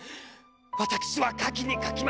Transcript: わたくしは描きに描きました。